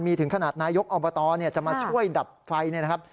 มีถึงขนาดนายกอบตจะมาช่วยดับไฟเนี่ยนะครับ